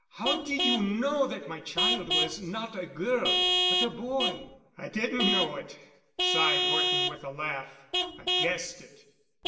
How did you know that my child was not a girl—but a boy?" "I didn't know it," sighed Horton, with a laugh. "I guessed it."